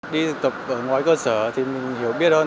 đi thực tập ở ngoài cơ sở thì mình hiểu biết hơn